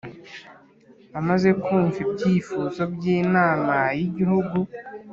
Amaze kumva ibyifuzo by Inama y Igihugu